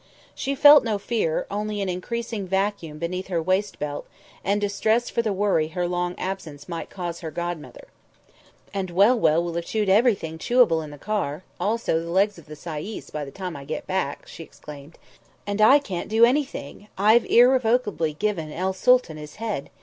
She felt no fear, only an increasing vacuum beneath her waistbelt and distress for the worry her long absence might cause her godmother. "And Well Well will have chewed everything chewable in the car, also the legs of the sayis, by the time I get back," she exclaimed. "And I can't do anything I've irrevocably given el Sooltan his head.